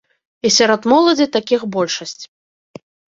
І сярод моладзі такіх большасць.